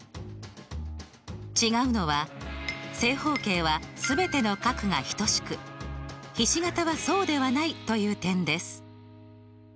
違うのは正方形は全ての角が等しくひし形はそうではないという点です。